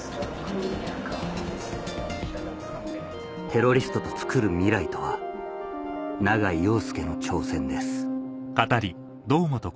テロリストとつくる未来とは永井陽右の挑戦です